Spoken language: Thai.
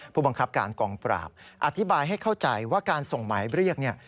ผู้บังคับการกองปราบอธิบายให้เข้าใจว่าการส่งหมายเรียกเนี่ย